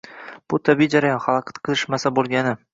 Bu tabiiy jarayon, xalaqit qilishmasa bo‘lgani.